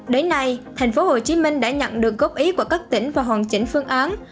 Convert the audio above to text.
đến nay tp hcm đã nhận được góp ý của các tỉnh và hoàn chỉnh phương án